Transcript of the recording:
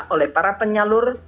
oleh para penyalur